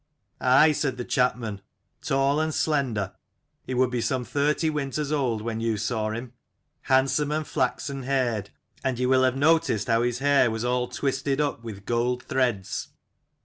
"Aye," said the chapman, "tall and slender: he would be some thirty winters old when you saw him : handsome and flaxenhaired : and ye will have noticed how his hair was all twisted up with gold threads.